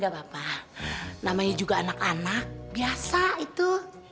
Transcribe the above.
gak apa apa namanya juga anak anak biasa itu